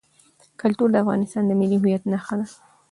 کلتور د افغانستان د ملي هویت نښه ده.